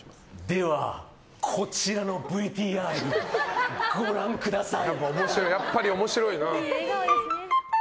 では、こちらのＶＴＲご覧ください。